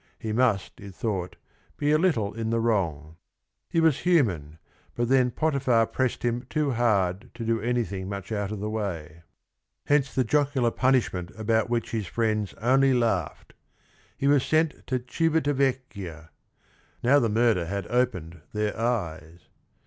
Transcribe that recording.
He must, it thought, be a little in the wrong; he was human, but then Potiphar pressed him too hard to do anything much out of the way. Hence the jocular punishment about which his friends only laughed. He was sent to Civita Vecchia. Now the murder had opened their eyes.